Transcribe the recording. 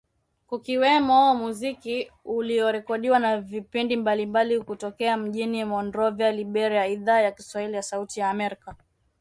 Kukiwemo muziki uliorekodiwa na vipindi mbalimbali kutokea mjini Monrovia, Liberia Idhaa ya Kiswahili ya Sauti ya amerka